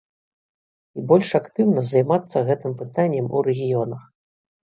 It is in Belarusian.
І больш актыўна займацца гэтым пытаннем у рэгіёнах.